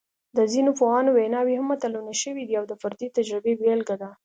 د ځینو پوهانو ویناوې هم متلونه شوي دي او د فردي تجربې بېلګه ده